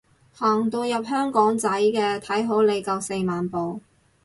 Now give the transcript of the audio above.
行到入香港仔嘅，睇好你夠四萬步